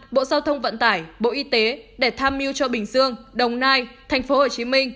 bộ giao thông vận tải bộ y tế để tham mưu cho bình dương đồng nai tp hcm